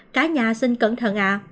cả nhà xin cẩn thận ạ